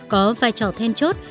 có vai trò then chốt